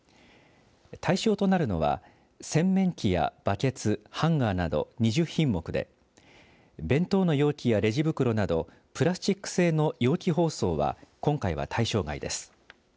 対象となるのは洗面器やバケツ、ハンガーなど２０品目で弁当の容器やレジ袋などプラスチック製の容器包装は今回は対象外です。